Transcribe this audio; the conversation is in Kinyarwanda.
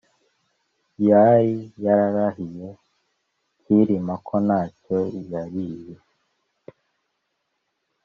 yali yarahiye cyilima ko nta cyo yaliye.